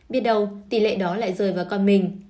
biết đầu tỷ lệ đó lại rơi vào con mình